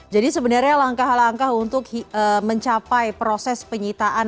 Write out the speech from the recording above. jadi sebenarnya langkah langkah untuk mencapai proses penyitaan